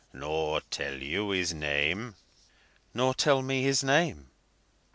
"Nor tell you his name?" "Nor tell me his name."